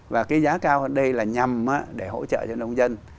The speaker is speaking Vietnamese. và cái giá cao hơn đây là nhằm để hỗ trợ cho nông dân